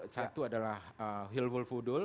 satu adalah hilful fudul